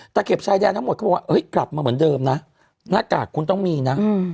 แต่เก็บชายแดนทั้งหมดกลับมาเหมือนเดิมนะหน้ากากคุณต้องมีนะ